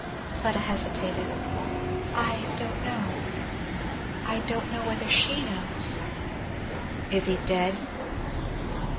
Fleda hesitated. "I don't know I don't know whether she knows " "Is he dead?"